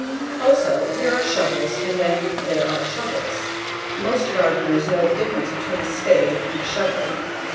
Also, there are shovels and then, there are shovels. Most gardeners know the difference between a spade and a shovel.